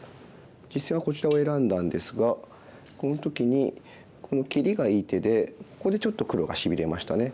実戦はこちらを選んだんですがこの時にこの切りがいい手でここでちょっと黒がしびれましたね。